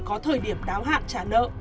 có thời điểm đáo hạn trả nợ